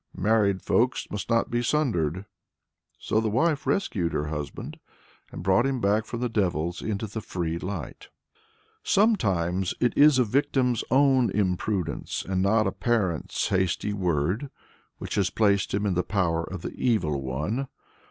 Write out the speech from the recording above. married folks must not be sundered." So the wife rescued her husband, and brought him back from the devils into the free light. Sometimes it is a victim's own imprudence, and not a parent's "hasty word," which has placed him in the power of the Evil One.